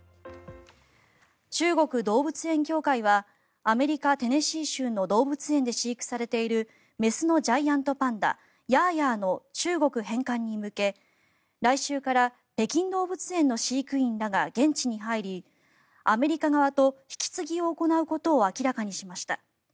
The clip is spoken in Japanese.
中国動物園協会はアメリカ・テネシー州の動物園で飼育されている雌のジャイアントパンダヤーヤーの中国返還に向け来週から北京動物園の飼育員らが現地に入りアメリカ側と引き継ぎを行うことを明らかにしました。